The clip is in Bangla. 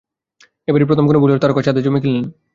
এবারই প্রথম কোনো বলিউড তারকা চাঁদে জমি কিনলেন।